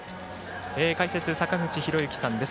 解説・坂口裕之さんです。